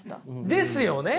ですよね！